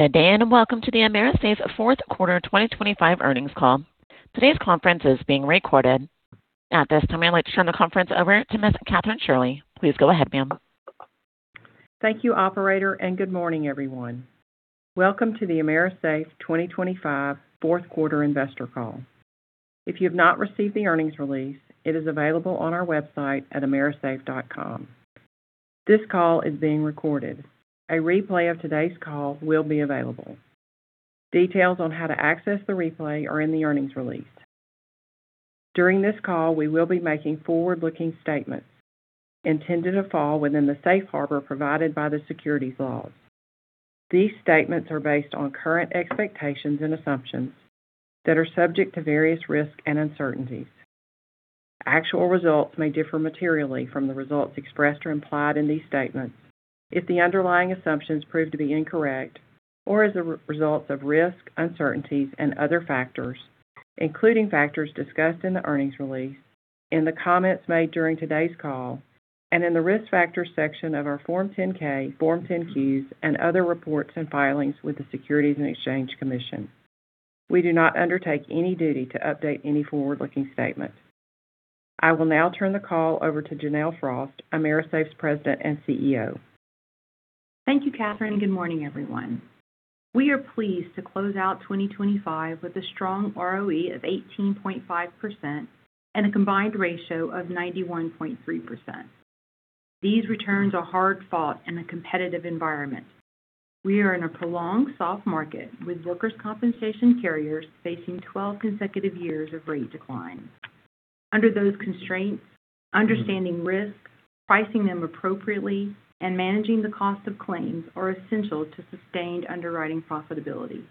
Good day. Welcome to AMERISAFE's Fourth Quarter 2025 earnings call. Today's conference is being recorded. At this time, I'd like to turn the conference over to Ms. Kathryn Shirley. Please go ahead, ma'am. Thank you, operator, Good morning, everyone. Welcome to the AMERISAFE 2025 fourth quarter investor call. If you have not received the earnings release, it is available on our website at amerisafe.com. This call is being recorded. A replay of today's call will be available. Details on how to access the replay are in the earnings release. During this call, we will be making forward-looking statements intended to fall within the safe harbor provided by the securities laws. These statements are based on current expectations and assumptions that are subject to various risks and uncertainties. Actual results may differ materially from the results expressed or implied in these statements if the underlying assumptions prove to be incorrect or as a result of risks, uncertainties, and other factors, including factors discussed in the earnings release, in the comments made during today's call, and in the Risk Factors section of our Form 10-K, Form 10-Qs, and other reports and filings with the Securities and Exchange Commission. We do not undertake any duty to update any forward-looking statements. I will now turn the call over to Janelle Frost, AMERISAFE's President and CEO. Thank you, Kathryn. Good morning, everyone. We are pleased to close out 2025 with a strong ROE of 18.5% and a combined ratio of 91.3%. These returns are hard-fought in a competitive environment. We are in a prolonged soft market, with workers' compensation carriers facing 12 consecutive years of rate decline. Under those constraints, understanding risks, pricing them appropriately, and managing the cost of claims are essential to sustained underwriting profitability.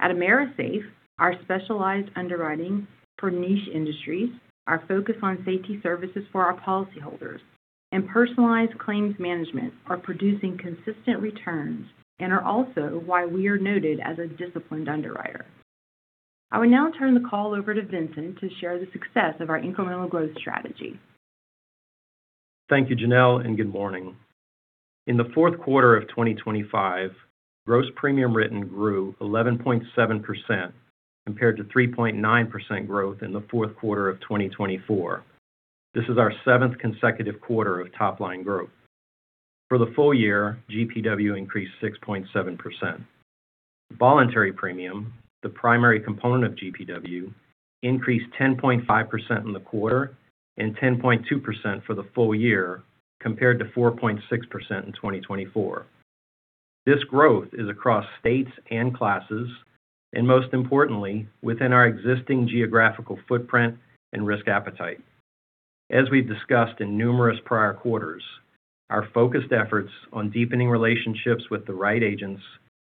At AMERISAFE, our specialized underwriting for niche industries, our focus on safety services for our policyholders, and personalized claims management are producing consistent returns and are also why we are noted as a disciplined underwriter. I will now turn the call over to Vincent to share the success of our incremental growth strategy. Thank you, Janelle, and good morning. In the fourth quarter of 2025, gross premium written grew 11.7% compared to 3.9% growth in the fourth quarter of 2024. This is our 7th consecutive quarter of top-line growth. For the full year, GPW increased 6.7%. voluntary premium, the primary component of GPW, increased 10.5% in the quarter and 10.2% for the full year, compared to 4.6% in 2024. This growth is across states and classes and, most importantly, within our existing geographical footprint and risk appetite. As we've discussed in numerous prior quarters, our focused efforts on deepening relationships with the right agents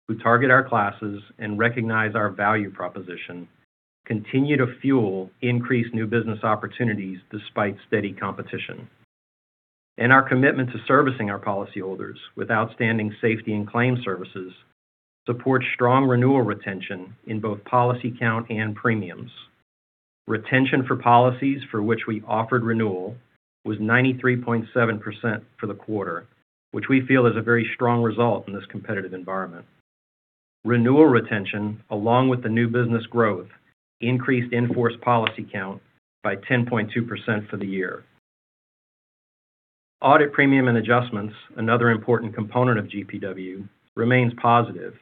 who target our classes and recognize our value proposition continue to fuel increased new business opportunities despite steady competition. Our commitment to servicing our policyholders with outstanding safety and claims services supports strong renewal retention in both policy count and premiums. Retention for policies for which we offered renewal was 93.7% for the quarter, which we feel is a very strong result in this competitive environment. Renewal retention, along with the new business growth, increased in-force policy count by 10.2% for the year. Audit premium and adjustments, another important component of GPW, remains positive,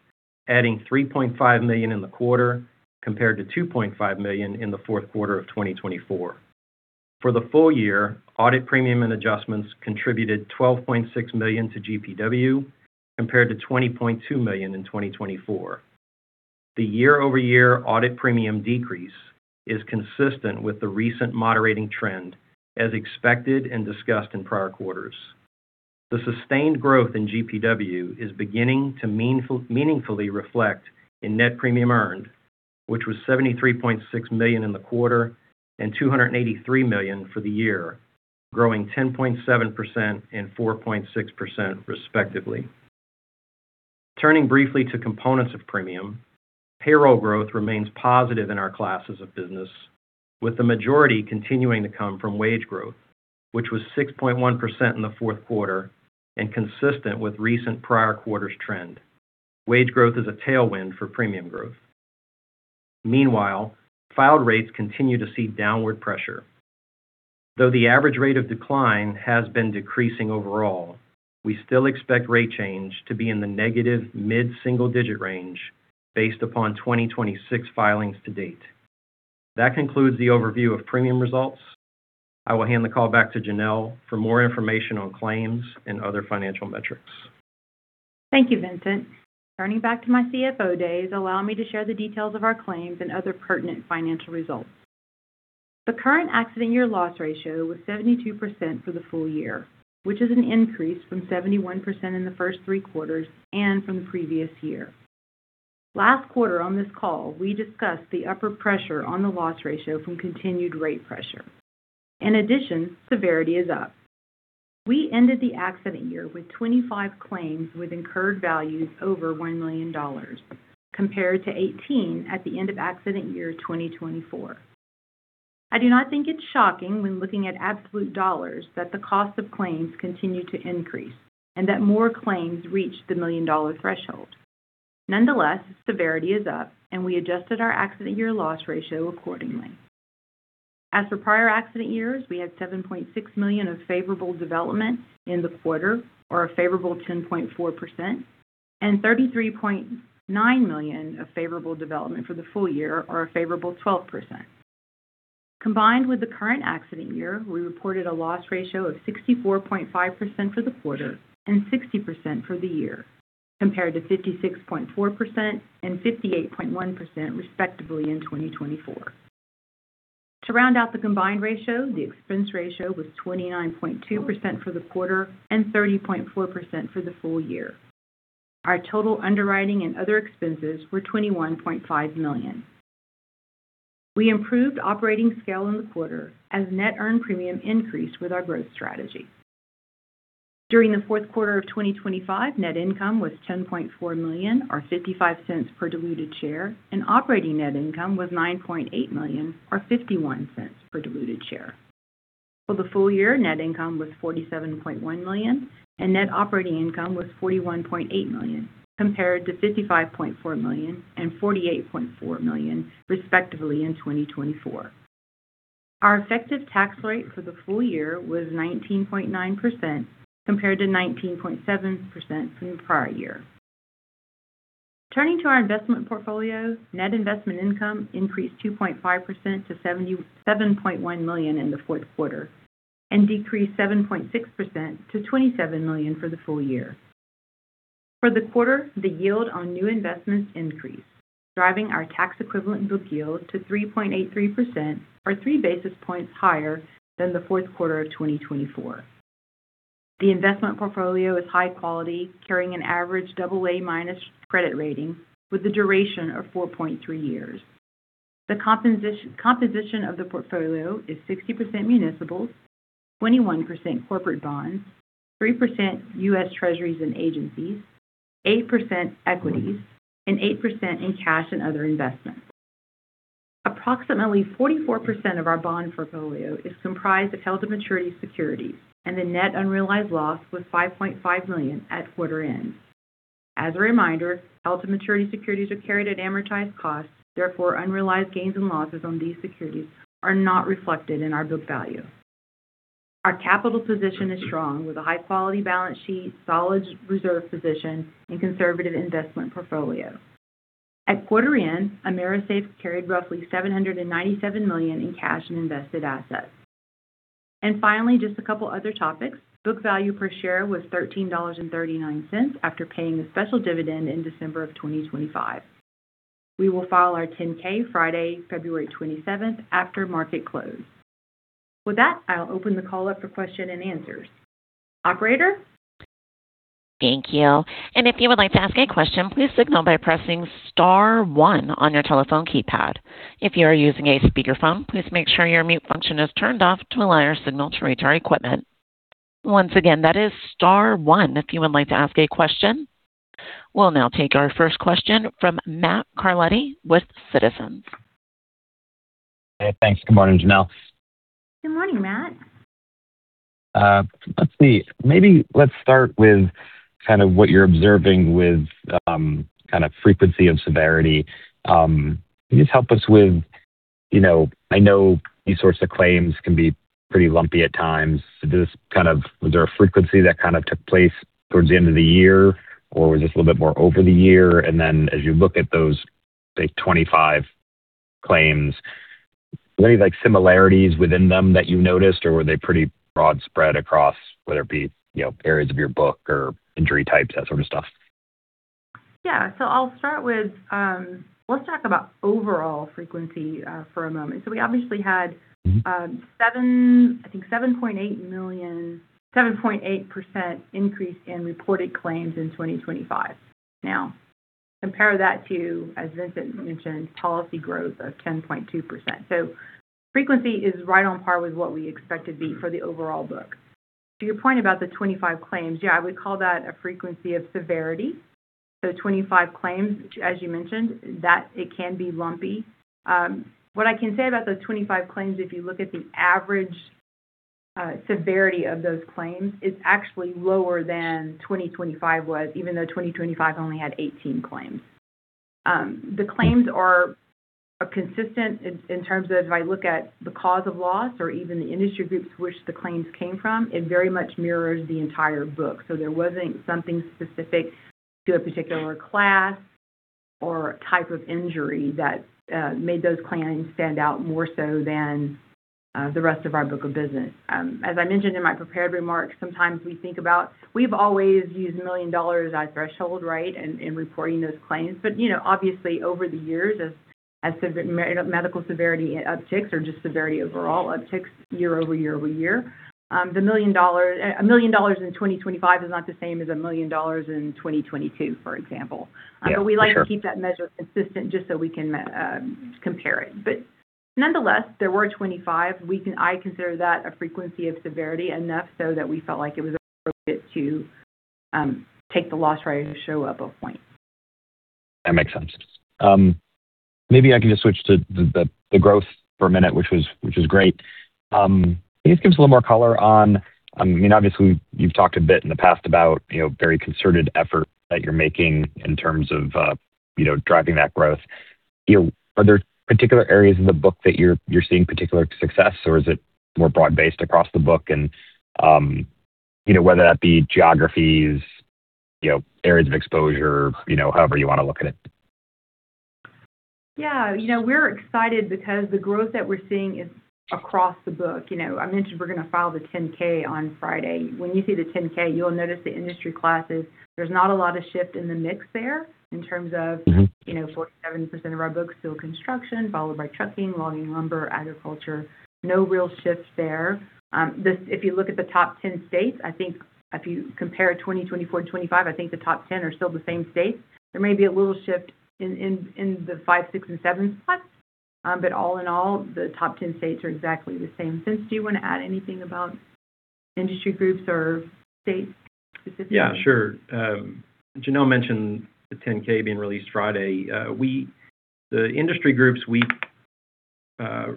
adding $3.5 million in the quarter, compared to $2.5 million in the fourth quarter of 2024. For the full year, Audit premium and adjustments contributed $12.6 million to GPW, compared to $20.2 million in 2024. The year-over-year Audit premium decrease is consistent with the recent moderating trend, as expected and discussed in prior quarters. The sustained growth in GPW is beginning to meaningfully reflect in net premiums earned, which was $73.6 million in the quarter and $283 million for the year, growing 10.7% and 4.6% respectively. Turning briefly to components of premium, payroll growth remains positive in our classes of business, with the majority continuing to come from wage growth, which was 6.1% in the fourth quarter and consistent with recent prior quarters' trend. Wage growth is a tailwind for premium growth. Meanwhile, filed rates continue to see downward pressure. Though the average rate of decline has been decreasing overall, we still expect rate change to be in the negative mid-single-digit range based upon 2026 filings to date. That concludes the overview of premium results. I will hand the call back to Janelle for more information on claims and other financial metrics. Thank you, Vincent. Turning back to my CFO days, allow me to share the details of our claims and other pertinent financial results. The current accident year loss ratio was 72% for the full year, which is an increase from 71% in the first 3 quarters and from the previous year. Last quarter on this call, we discussed the upper pressure on the loss ratio from continued rate pressure. In addition, severity is up. We ended the accident year with 25 claims with incurred values over $1 million, compared to 18 at the end of accident year 2024. I do not think it's shocking when looking at absolute dollars, that the cost of claims continue to increase, and that more claims reach the million-dollar threshold. Nonetheless, severity is up, and we adjusted our accident year loss ratio accordingly. As for prior accident years, we had $7.6 million of favorable development in the quarter, or a favorable 10.4%, and $33.9 million of favorable development for the full year, or a favorable 12%. Combined with the current accident year, we reported a loss ratio of 64.5% for the quarter and 60% for the year, compared to 56.4% and 58.1%, respectively, in 2024. To round out the combined ratio, the expense ratio was 29.2% for the quarter and 30.4% for the full year. Our total underwriting and other expenses were $21.5 million. We improved operating scale in the quarter as net earned premium increased with our growth strategy. During the fourth quarter of 2025, net income was $10.4 million, or $0.55 per diluted share. Operating net income was $9.8 million or $0.51 per diluted share. For the full year, net income was $47.1 million, and net operating income was $41.8 million, compared to $55.4 million and $48.4 million, respectively, in 2024. Our effective tax rate for the full year was 19.9%, compared to 19.7% from the prior year. Turning to our investment portfolio, net investment income increased 2.5% to $77.1 million in the fourth quarter and decreased 7.6% to $27 million for the full year. For the quarter, the yield on new investments increased, driving our tax-equivalent yield to 3.83% or 3 basis points higher than the fourth quarter of 2024. The investment portfolio is high quality, carrying an average AA- credit rating with a duration of 4.3 years. The composition of the portfolio is 60% municipals, 21% corporate bonds, 3% U.S. Treasuries and agencies, 8% equities, and 8% in cash and other investments. Approximately 44% of our bond portfolio is comprised of held-to-maturity securities. The net unrealized loss was $5.5 million at quarter end. As a reminder, held-to-maturity securities are carried at amortized cost. Therefore, unrealized gains and losses on these securities are not reflected in our book value. Our capital position is strong, with a high-quality balance sheet, solid reserve position, and conservative investment portfolio. At quarter end, AMERISAFE carried roughly $797 million in cash and invested assets. Finally, just a couple other topics. Book value per share was $13.39 after paying the special dividend in December of 2025. We will file our 10-K Friday, February 27th, after market close. With that, I'll open the call up for question and answers. Operator? Thank you. If you would like to ask a question, please signal by pressing star 1 on your telephone keypad. If you are using a speakerphone, please make sure your mute function is turned off to allow our signal to reach our equipment. Once again, that is star 1 if you would like to ask a question. We'll now take our first question from Matt Carletti with Citizens. Hey, thanks. Good morning, Janelle. Good morning, Matt. Let's see. Maybe let's start with kind of what you're observing with, kind of frequency and severity. Can you just help us with. You know, I know these sorts of claims can be pretty lumpy at times. This kind of, was there a frequency that kind of took place towards the end of the year, or was this a little bit more over the year? Then as you look at those, say, 25 claims, were there any similarities within them that you noticed, or were they pretty broad spread across, whether it be, you know, areas of your book or injury types, that sort of stuff? Yeah. I'll start with, let's talk about overall frequency, for a moment. We obviously had seven, I think $7.8 million, 7.8% increase in reported claims in 2025. Compare that to, as Vincent mentioned, policy growth of 10.2%. Frequency is right on par with what we expect to be for the overall book. To your point about the 25 claims, yeah, I would call that a frequency of severity. 25 claims, as you mentioned, that it can be lumpy. What I can say about those 25 claims, if you look at the average severity of those claims, it's actually lower than 2025 was, even though 2025 only had 18 claims. The claims are consistent in terms of if I look at the cause of loss or even the industry groups which the claims came from, it very much mirrors the entire book. There wasn't something specific to a particular class or type of injury that made those claims stand out more so than the rest of our book of business. As I mentioned in my prepared remarks, sometimes we think about, we've always used $1 million as our threshold, right, in reporting those claims. You know, obviously over the years, as medical severity upticks or just severity overall upticks year-over-year-over-year, $1 million in 2025 is not the same as $1 million in 2022, for example. Yeah, sure. We like to keep that measure consistent just so we can me, compare it. Nonetheless, there were 25. I consider that a frequency of severity enough so that we felt like it was appropriate to take the loss ratio show up a point. That makes sense. maybe I can just switch to the growth for a minute, which was great. can you just give us a little more color on, I mean, obviously, you've talked a bit in the past about, you know, very concerted effort that you're making in terms of, you know, driving that growth. You know, are there particular areas in the book that you're seeing particular success, or is it more broad-based across the book? you know, whether that be geographies, you know, areas of exposure, you know, however you want to look at it? You know, we're excited because the growth that we're seeing is across the book. You know, I mentioned we're going to file the 10-K on Friday. When you see the 10-K, you'll notice the industry classes. There's not a lot of shift in the mix there in terms of, you know, 47% of our book is still construction, followed by trucking, logging, lumber, agriculture. No real shift there. If you look at the top 10 states, I think if you compare 2024 to 2025, I think the top 10 are still the same states. There may be a little shift in the five, six, and seven slots, all in all, the top 10 states are exactly the same. Vince, do you want to add anything about industry groups or states specifically? Yeah, sure. Janelle mentioned the 10-K being released Friday. The industry groups we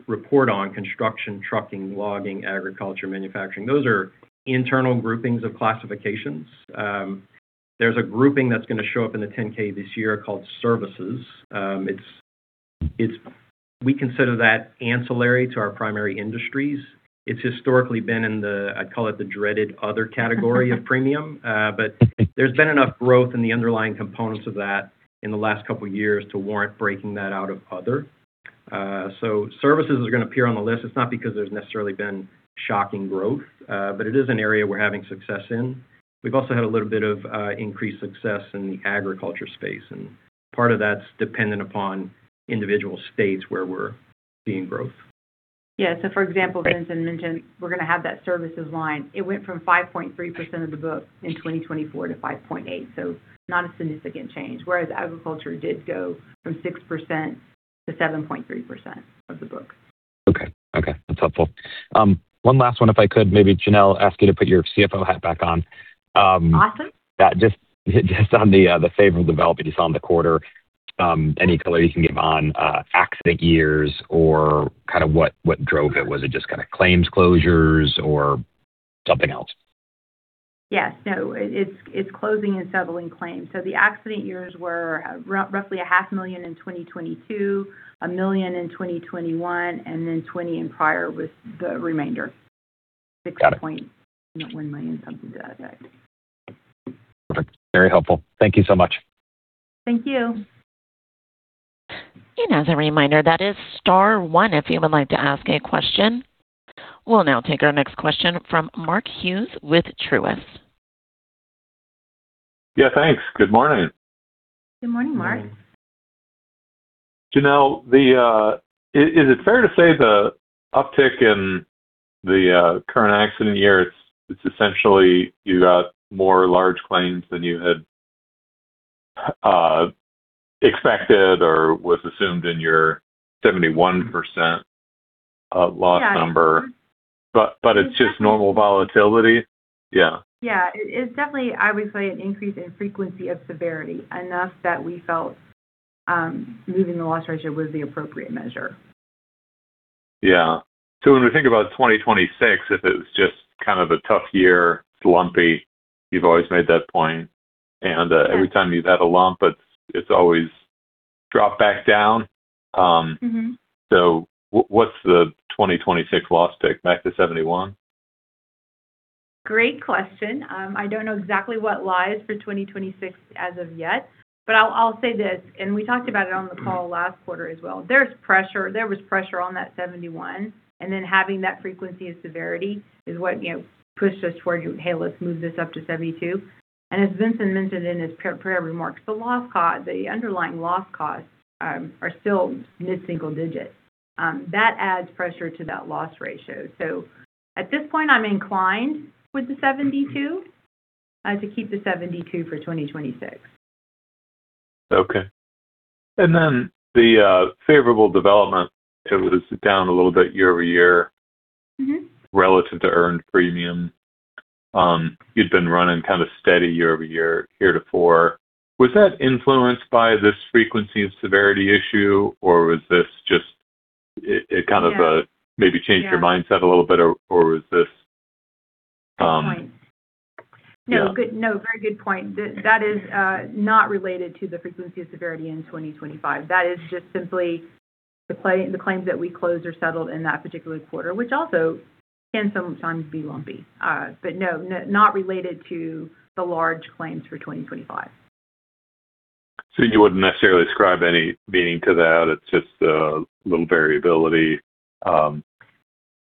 report on construction, trucking, logging, agriculture, manufacturing, those are internal groupings of classifications. There's a grouping that's going to show up in the 10-K this year called services. It's, we consider that ancillary to our primary industries. It's historically been in the, I call it the dreaded other category of premium. There's been enough growth in the underlying components of that in the last couple of years to warrant breaking that out of other. Services is going to appear on the list. It's not because there's necessarily been shocking growth, but it is an area we're having success in. We've also had a little bit of increased success in the agriculture space, and part of that's dependent upon individual states where we're seeing growth. For example, Vincent mentioned, we're going to have that services line. It went from 5.3% of the book in 2024 to 5.8%, so not a significant change, whereas agriculture did go from 6% to 7.3% of the book. Okay. Okay, that's helpful. One last one, if I could, maybe, Janelle, ask you to put your CFO hat back on. Awesome. Just on the favorable development you saw in the quarter, any color you can give on accident years or kind of what drove it? Was it just kind of claims closures or something else? Yes. No, it's closing and settling claims. The accident years were roughly a half million in 2022, $1 million in 2021, and then 2020 and prior was the remainder. Got it. $6.1 million, something to that effect. Perfect. Very helpful. Thank you so much. Thank you. As a reminder, that is star one if you would like to ask a question. We'll now take our next question from Mark Hughes with Truist. Yeah, thanks. Good morning. Good morning, Mark. Good morning. Janelle, is it fair to say the uptick in the current accident year, it's essentially you got more large claims than you had expected or was assumed in your 71% loss number? Yeah. It's just normal volatility? Yeah. Yeah. It's definitely, I would say, an increase in frequency of severity, enough that we felt, moving the loss ratio was the appropriate measure. Yeah. When we think about 2026, if it was just kind of a tough year, lumpy, you've always made that point. Every time you've had a lump, it's always dropped back down. Mm-hmm. What's the 2026 loss pick, back to 71? Great question. I don't know exactly what lies for 2026 as of yet, but I'll say this, and we talked about it on the call last quarter as well. There was pressure on that 71, and then having that frequency and severity is what, you know, pushed us toward, Hey, let's move this up to 72. As Vincent mentioned in his prepared remarks, the loss cost, the underlying loss costs, are still mid-single digit. That adds pressure to that loss ratio. At this point, I'm inclined with the 72, to keep the 72 for 2026. Okay. The favorable development, it was down a little bit year-over-year relative to earned premium. You'd been running kind of steady year-over-year, year to. Was that influenced by this frequency and severity issue, or was this just, it kind of... Yeah. maybe changed your mindset a little bit, or was this? Good point. Yeah. No, very good point. That is not related to the frequency and severity in 2025. That is just simply the claims that we closed or settled in that particular quarter, which also can sometimes be lumpy. No, not related to the large claims for 2025. You wouldn't necessarily ascribe any meaning to that? It's just little variability.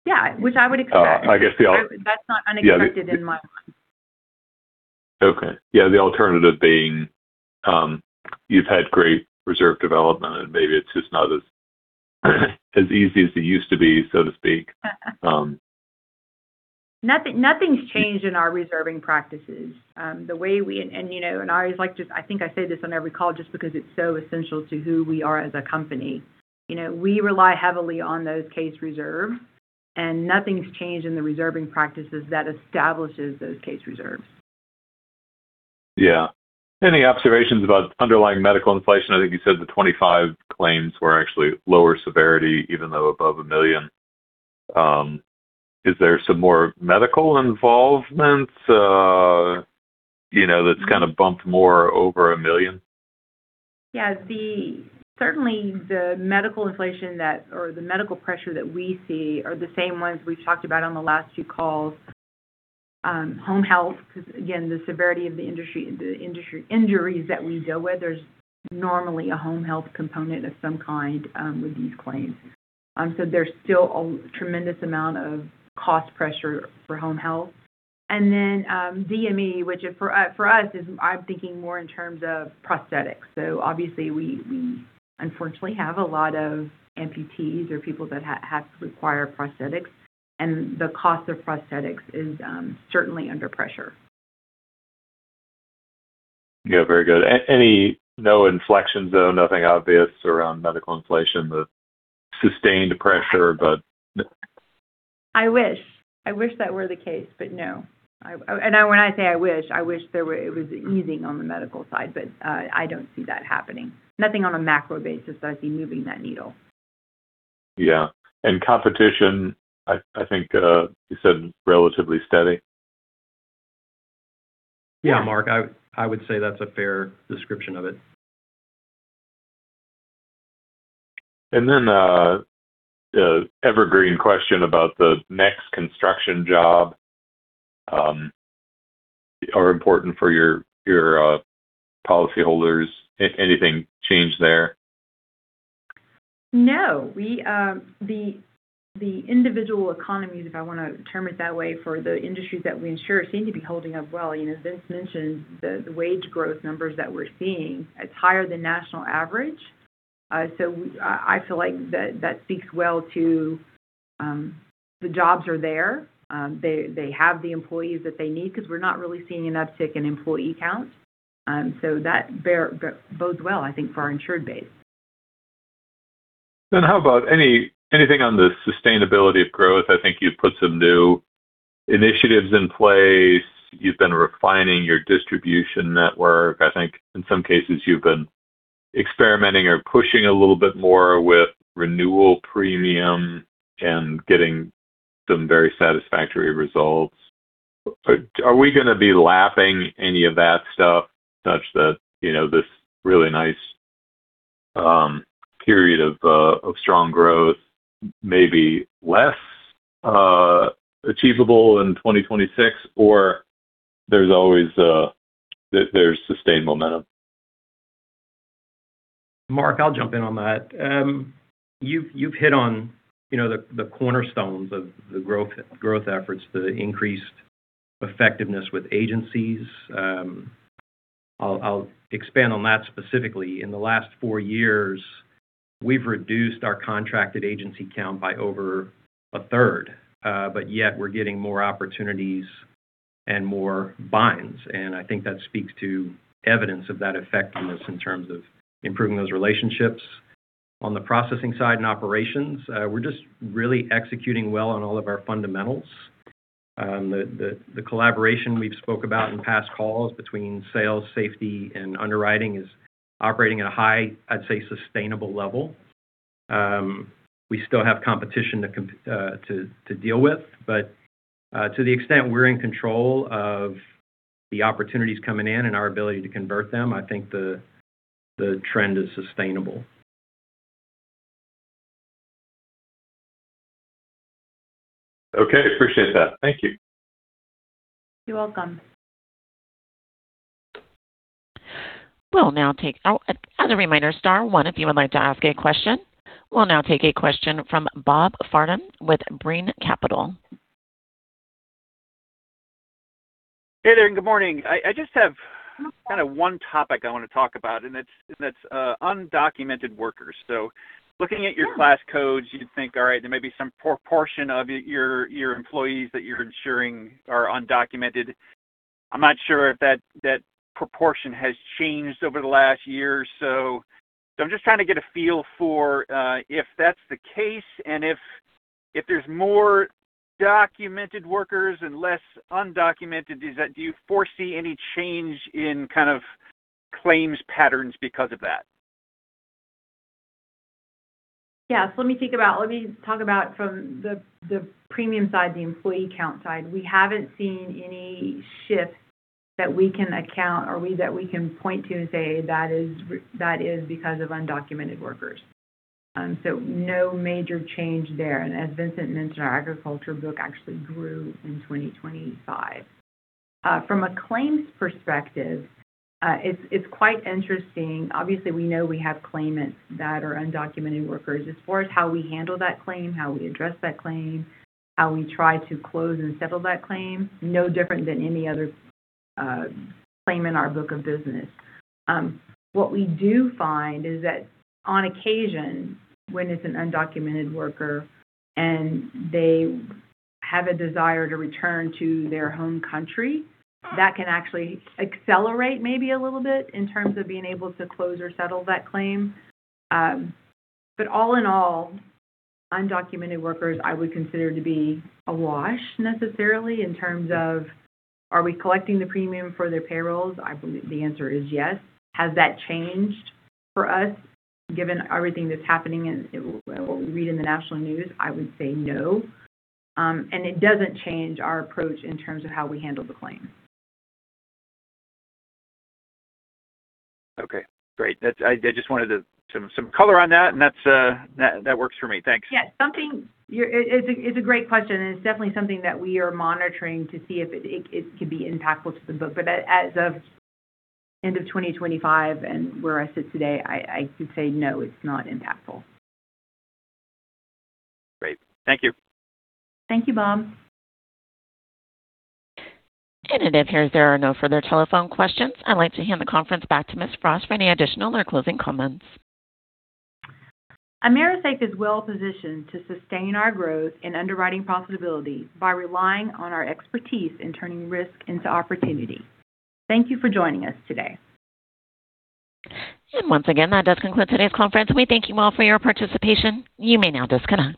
Yeah, which I would expect. Uh, I guess the- That's not unexpected. Yeah in my mind. Okay. Yeah, the alternative being, you've had great reserve development, and maybe it's just not as easy as it used to be, so to speak. Nothing's changed in our reserving practices. You know, I always like to, I think I say this on every call, just because it's so essential to who we are as a company. You know, we rely heavily on those case reserves. Nothing's changed in the reserving practices that establishes those case reserves. Any observations about underlying medical inflation? I think you said the 25 claims were actually lower severity, even though above $1 million. Is there some more medical involvement, you know, that's kind of bumped more over $1 million? Yeah, certainly, the medical inflation that, or the medical pressure that we see are the same ones we've talked about on the last few calls. Home health, because, again, the severity of the industry, the industry injuries that we deal with, there's normally a home health component of some kind with these claims. There's still a tremendous amount of cost pressure for home health. Then, DME, which is for us, for us, is I'm thinking more in terms of prosthetics. Obviously, we unfortunately have a lot of amputees or people that have to require prosthetics, and the cost of prosthetics is certainly under pressure. Yeah, very good. Any, no inflection, though, nothing obvious around medical inflation, the sustained pressure, but...? I wish. I wish that were the case, but no. I, when I say I wish, I wish it was easing on the medical side, but I don't see that happening. Nothing on a macro basis that I see moving that needle. Yeah. Competition, I think, you said relatively steady? Yeah, Mark, I would say that's a fair description of it. The evergreen question about the next construction job, are important for your policyholders. Anything change there? No. We, the individual economies, if I want to term it that way, for the industries that we insure, seem to be holding up well. You know, Vince mentioned the wage growth numbers that we're seeing, it's higher than national average. We, I feel like that speaks well to... The jobs are there. They have the employees that they need because we're not really seeing an uptick in employee counts. That bodes well, I think, for our insured base. How about anything on the sustainability of growth? I think you've put some new initiatives in place. You've been refining your distribution network. I think in some cases, you've been experimenting or pushing a little bit more with renewal premium and getting some very satisfactory results. Are we going to be lapping any of that stuff such that, you know, this really nice period of strong growth may be less achievable in 2026, or there's always sustained momentum? Mark, I'll jump in on that. You've hit on, you know, the cornerstones of the growth efforts, the increased effectiveness with agencies. I'll expand on that specifically. In the last 4 years, we've reduced our contracted agency count by over a third, but yet we're getting more opportunities and more binds, and I think that speaks to evidence of that effectiveness in terms of improving those relationships. On the processing side and operations, we're just really executing well on all of our fundamentals. The collaboration we've spoke about in past calls between sales, safety, and underwriting is operating at a high, I'd say, sustainable level. We still have competition to deal with, but, to the extent we're in control of the opportunities coming in and our ability to convert them, I think the trend is sustainable. Okay, appreciate that. Thank you. You're welcome. Oh, as a reminder, star one, if you would like to ask a question. We'll now take a question from Bob Farnam with Brean Capital. Hey there, and good morning. I just have kind of one topic I want to talk about, and it's undocumented workers. Looking at Sure... your class codes, you'd think, all right, there may be some proportion of your employees that you're insuring are undocumented. I'm not sure if that proportion has changed over the last year or so. I'm just trying to get a feel for if that's the case, and if there's more documented workers and less undocumented, do you foresee any change in kind of claims patterns because of that? Yes. Let me talk about from the premium side, the employee count side. We haven't seen any shift that we can account or that we can point to and say that is because of undocumented workers. So no major change there. As Vincent mentioned, our agriculture book actually grew in 2025. From a claims perspective, it's quite interesting. Obviously, we know we have claimants that are undocumented workers. As far as how we handle that claim, how we address that claim, how we try to close and settle that claim, no different than any other claim in our book of business. What we do find is that on occasion, when it's an undocumented worker and they have a desire to return to their home country, that can actually accelerate maybe a little bit in terms of being able to close or settle that claim. All in all, undocumented workers, I would consider to be a wash necessarily in terms of, are we collecting the premium for their payrolls? I believe the answer is yes. Has that changed for us, given everything that's happening and what we read in the national news? I would say no. It doesn't change our approach in terms of how we handle the claim. Okay, great. That's. I just wanted to some color on that. That works for me. Thanks. Yeah, something. It's a great question, it's definitely something that we are monitoring to see if it could be impactful to the book. As of end of 2025 and where I sit today, I could say, no, it's not impactful. Great. Thank you. Thank you, Bob. It appears there are no further telephone questions. I'd like to hand the conference back to Ms. Frost for any additional or closing comments. AMERISAFE is well positioned to sustain our growth in underwriting profitability by relying on our expertise in turning risk into opportunity. Thank you for joining us today. Once again, that does conclude today's conference. We thank you all for your participation. You may now disconnect.